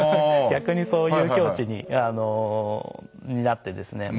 逆にそういう境地になってですね。